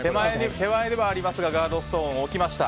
手前ではありますがガードストーン起きました。